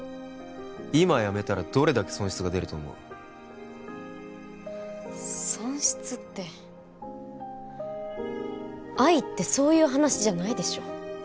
今やめたらどれだけ損失が出ると思う損失って愛ってそういう話じゃないでしょ